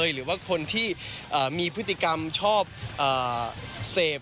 หรือว่าคนที่มีพฤติกรรมชอบเสพ